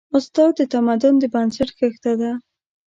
استاد د تمدن د بنسټ خښته ده.